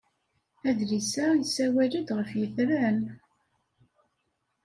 Adlis-a yessawal-d ɣef yetran.